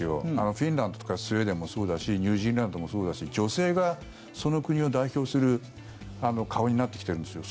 フィンランドとかスウェーデンもそうだしニュージーランドもそうだし女性がその国を代表する顔になってきてるんですよ。